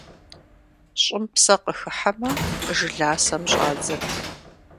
ЩӀым псэ къыхыхьэмэ, жыласэм щӀадзэ.